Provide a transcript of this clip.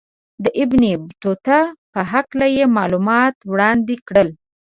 د ابن بطوطه په هکله یې معلومات وړاندې کړل.